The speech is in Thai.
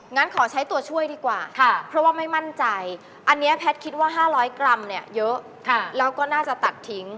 งั้นขอใช้ตัวช่วยดีกว่าเพราะว่าไม่มั่นใจอันนี้แพทย์คิดว่า๕๐๐กรัมเนี่ยเยอะแล้วก็น่าจะตัดทิ้ง